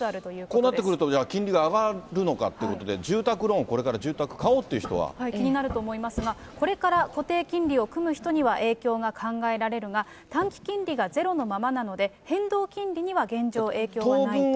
こうなってくると、金利が上がるのかっていうことで、住宅ローン、気になると思いますが、これから固定金利を組む人には影響が考えられるが、短期金利がゼロのままなので、変動金利には現状、影響はないと。